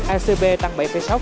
ecb tăng bảy sáu